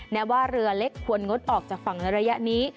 แม้ว่าเรือเล็กควรงดออกจากฝั่งในระยะนี้